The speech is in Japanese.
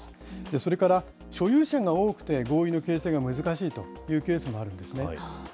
それから所有者が多くて合意の形成が難しいというケースもあるんですね。